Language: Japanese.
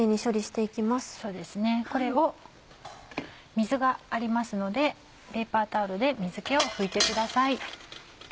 水がありますのでペーパータオルで水気を拭いてください。